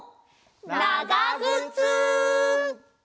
ながぐつ！